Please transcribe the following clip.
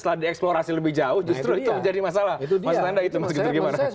setelah dieksplorasi lebih jauh justru itu menjadi masalah